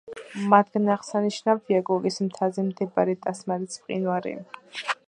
მათგან აღსანიშნავია კუკის მთაზე მდებარე ტასმანის მყინვარი.